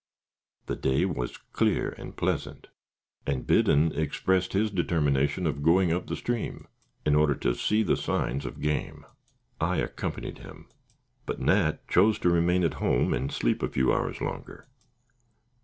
The day was clear and pleasant, and Biddon expressed his determination of going up the stream in order to see the signs of game. I accompanied him, but Nat chose to remain at home and sleep a few hours longer.